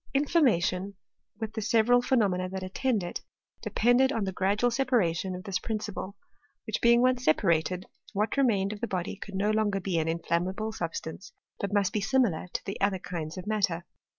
Inflammation, with the several phenomena that attend it, depended on the gradual separation of this prin ciple, which being once separated, what remained of the body could no longer be an inflammable substance, but must be similar to the other kinds of matter.